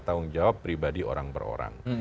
tanggung jawab pribadi orang per orang